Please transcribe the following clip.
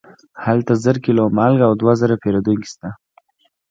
هلته زر کیلو مالګه او دوه زره پیرودونکي شته.